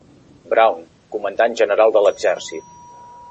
Brown, Comandant General de l'Exèrcit.